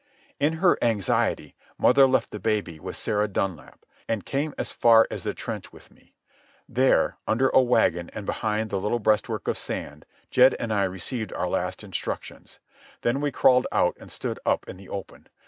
In her anxiety mother left the baby with Sarah Dunlap, and came as far as the trench with me. There, under a wagon and behind the little breastwork of sand, Jed and I received our last instructions. Then we crawled out and stood up in the open.